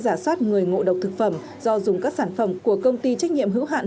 giả soát người ngộ độc thực phẩm do dùng các sản phẩm của công ty trách nhiệm hữu hạn